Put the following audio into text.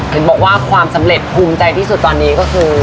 เห็นบอกว่าความสำเร็จภูมิใจที่สุดตอนนี้ก็คือ